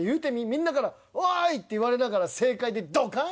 みんなから「おい！」って言われながら正解でドカン！